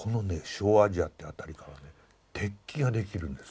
小アジアって辺りからは鉄器ができるんですよ。